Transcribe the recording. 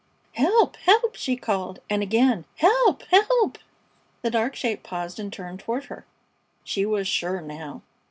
"Help! Help!" she called; and again: "Help! Help!" The dark shape paused and turned toward her. She was sure now.